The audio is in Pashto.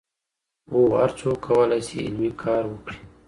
هو، هر څوک کولای سي علمي کار وکړي.